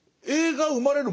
ええ。